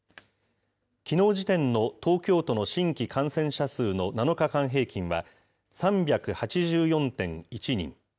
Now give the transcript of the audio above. きのう時点の東京都の新規感染者数の７日間平均は３８４．１人。